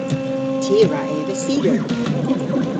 Ty a wra eva cider.